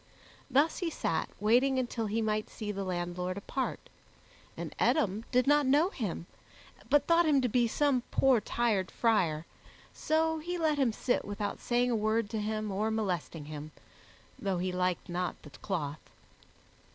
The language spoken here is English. Thus he sat waiting until he might see the landlord apart, and Eadom did not know him, but thought him to be some poor tired friar, so he let him sit without saying a word to him or molesting him, though he liked not the cloth.